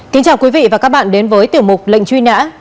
kính chào quý vị và các bạn đến với tiểu mục lệnh truy nã